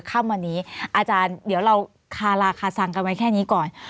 ค่ำวันนี้อาจารย์เดี๋ยวเราคาราคาซังกันไว้แค่นี้ก่อน